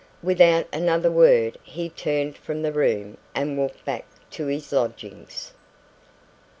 Without another word he turned from the room and walked back to his lodgings.